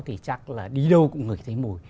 thì chắc là đi đâu cũng ngửi thấy mùi